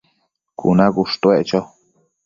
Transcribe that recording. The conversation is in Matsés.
cuna cushtuec cho